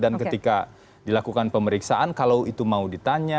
dan ketika dilakukan pemeriksaan kalau itu mau ditanya